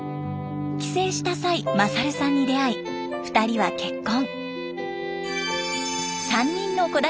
帰省した際勝さんに出会い２人は結婚。